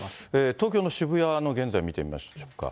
東京の渋谷の現在、見てみましょうか。